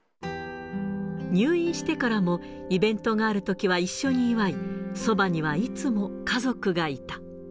入院してからも、イベントがあるときは一緒に祝い、そばにはいつも家族がいた。